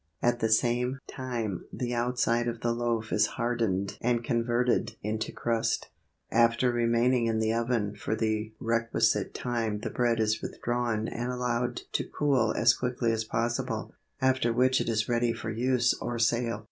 At the same time the outside of the loaf is hardened and converted into crust. After remaining in the oven for the requisite time the bread is withdrawn and allowed to cool as quickly as possible, after which it is ready for use or sale.